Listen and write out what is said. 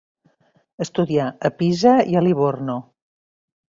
Estudià a Pisa i a Livorno.